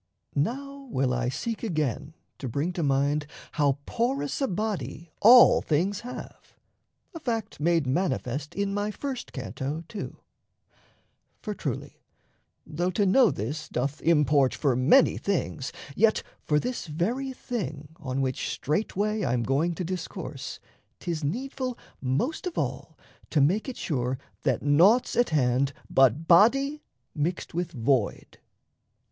Now will I seek again to bring to mind How porous a body all things have a fact Made manifest in my first canto, too. For, truly, though to know this doth import For many things, yet for this very thing On which straightway I'm going to discourse, 'Tis needful most of all to make it sure That naught's at hand but body mixed with void.